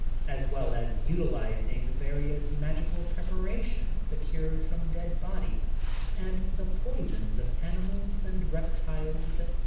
as well as utilizing various magical preparations secured from dead bodies and the poisons of animals and rep tiles, etc.